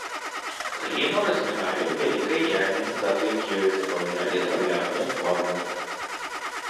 Гліну разміналі ў вялікай яме, затым ёю запаўнялі драўляную форму.